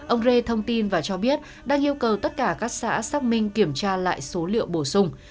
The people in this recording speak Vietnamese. ông rê thông tin và cho biết đang yêu cầu tất cả các xã xác minh kiểm tra lại số liệu bổ sung